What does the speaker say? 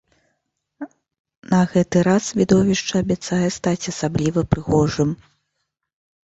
На гэты раз відовішча абяцае стаць асабліва прыгожым.